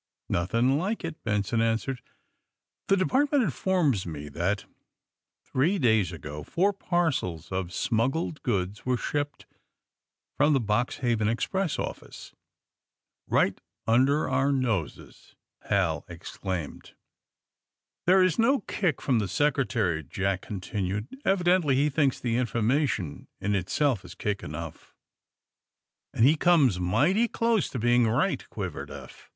^^ Nothing like it," Benson answered. *^The Department informs me that, three days ago, four parcels of smuggled goods were shipped from the Boxhaven express office. ''^* Eight under our noses!" Hal exclaimed. *' There is no kick from the Secretary," Jack continued. *^ Evidently he thinks the informa tion in itself is kick enough." And he comes mighty close to being right, ^' quivered Eph.